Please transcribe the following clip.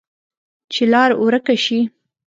چې لار ورکه شي،